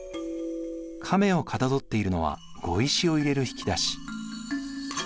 亀をかたどっているのは碁石を入れる引き出し。